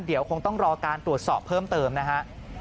เดี๋ยวคงต้องรอการตรวจสอบเพิ่มเติมนะฮะ